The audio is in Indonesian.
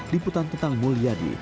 liputan tentang mulyadi